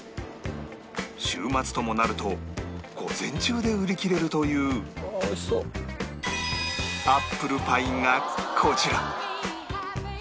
週末ともなると午前中で売り切れるというアップルパイがこちら